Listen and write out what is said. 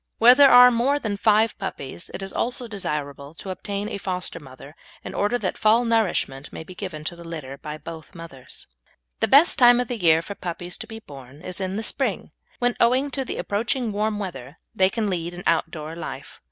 Where there are more than five puppies it is also desirable to obtain a foster mother in order that full nourishment may be given to the litter by both mothers. The best time of the year for puppies to be born is in the spring, when, owing to the approaching warm weather, they can lead an outdoor life.